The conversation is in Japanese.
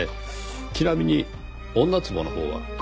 ちなみに女壺のほうは？